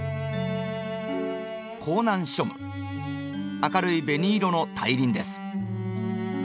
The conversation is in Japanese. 明るい紅色の大輪です。